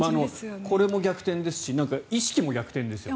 これも逆転ですし意識も逆転ですね。